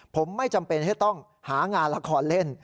ผมไม่จำเป็นที่ต้องหางานละครเล่น